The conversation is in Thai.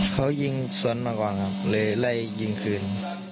เขายิงสวนมาก่อนครับเลยไล่ยิงคืน